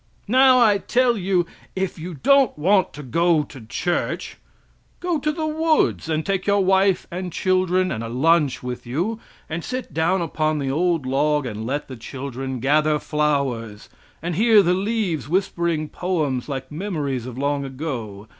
Now, I tell you, if you don't want to go to church, go to the woods and take your wife and children and a lunch with you, and sit down upon the old log and let the children gather flowers, and hear the leaves whispering poems like memories of long ago!